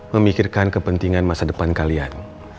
memikirkan kepentingan masa depan kalian